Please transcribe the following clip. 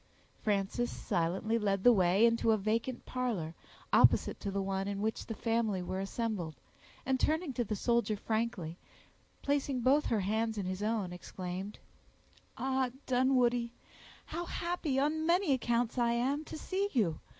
Frances silently led the way into a vacant parlor, opposite to the one in which the family were assembled, and turning to the soldier frankly, placing both her hands in his own, exclaimed,— "Ah, Dunwoodie! how happy, on many accounts, I am to see you!